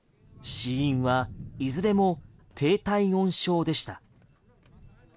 死因はいずれも低体温症でした。